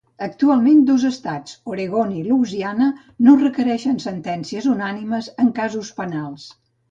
Actualment, dos estats, Oregon i Louisiana, no requereixen sentències unànimes en casos penals.